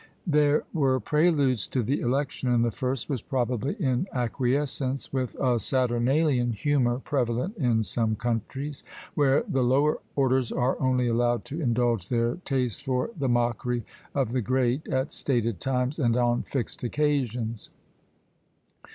There were preludes to the election; and the first was probably in acquiescence with a saturnalian humour prevalent in some countries, where the lower orders are only allowed to indulge their taste for the mockery of the great at stated times and on fixed occasions.